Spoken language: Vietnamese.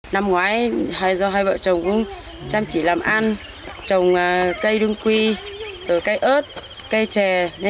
năm ngoái do hai vợ chồng cũng chăm chỉ làm ăn trồng cây đương quy cây ớt cây trè